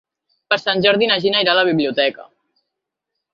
Per Sant Jordi na Gina irà a la biblioteca.